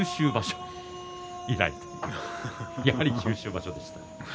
九州場所以来とやはり九州場所でした。